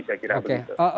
saya kira begitu